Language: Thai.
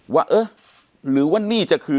ว่าเออหรือว่านี่จะคือ